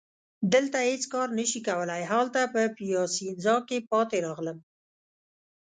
دلته هیڅ کار نه شي کولای، هلته په پیاسینزا کي پاتې راغلم.